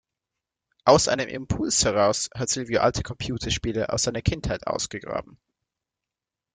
Aus einem Impuls heraus hat Silvio alte Computerspiele aus seiner Kindheit ausgegraben.